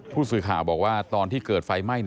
ผู้สื่อข่าวบอกว่าตอนที่เกิดไฟไหม้